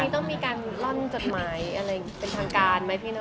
อันนี้ต้องมีการล่อนจดหมายอะไรเป็นทางการไหมพี่น้อง